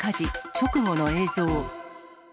直後の映像。